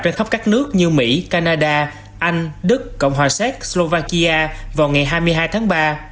trên khắp các nước như mỹ canada anh đức cộng hòa séc slovakia vào ngày hai mươi hai tháng ba